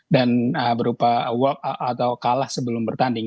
dan berupa walk out atau kalah sebelum bertanding